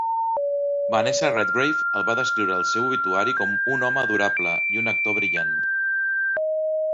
Vanessa Redgrave el va descriure al seu obituari com "un home adorable" i un "actor brillant".